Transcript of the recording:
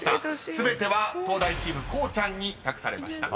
［全ては東大チームこうちゃんに託されました］